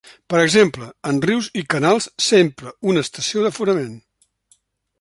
Per exemple, en rius i canals s'empra una estació d'aforament.